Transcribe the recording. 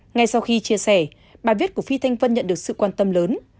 ngay sau khi chia sẻ bài viết của phi thanh vân nhận được sự quan tâm lớn